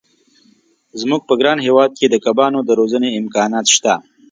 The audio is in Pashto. زموږ په ګران هېواد کې د کبانو د روزنې امکانات شته.